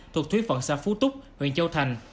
thuộc thuyết vận xa phú túc huyện châu thành